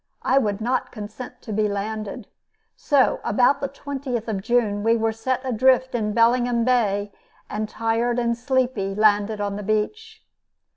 I would not consent to be landed. So about the twentieth of June we were set adrift in Bellingham Bay and, tired and sleepy, landed on the beach.